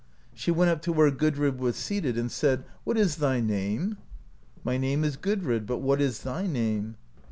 She went up to where Gudrid was seated, and said: "What is thy name?" "My name is Gudrid; but what is thy name?"